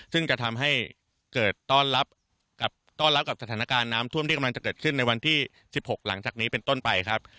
ซึ่งจะทำให้เกิดต้อนรับกับสถานการณ์น้ำท่วมที่กำลังจะเกิดขึ้นในวันที่๑๖หลังจากนี้เป็นต้นไปครับ